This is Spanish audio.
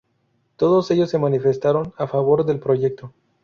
Todos ellos se manifestaron a favor del proyecto.